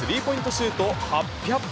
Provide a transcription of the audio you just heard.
シュート８００本。